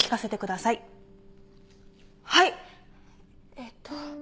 えっと。